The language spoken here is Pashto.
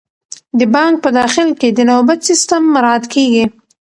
د بانک په داخل کې د نوبت سیستم مراعات کیږي.